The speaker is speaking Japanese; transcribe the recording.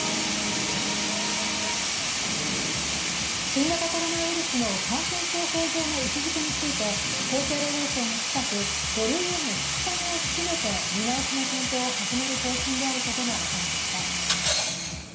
新型コロナウイルスの感染症法の位置づけについて厚生労働省が近く５類への引き下げを含めて見直しの検討を始める方針であることが分かりました。